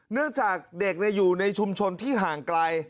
เนื่องจากเด็กอยู่ในชุมชนที่ห่างไกล